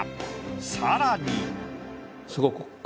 さらに。